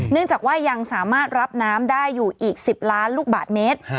เนื่องจากว่ายังสามารถรับน้ำได้อยู่อีก๑๐ล้านลูกบาทเมตร